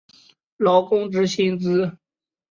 劳工之薪资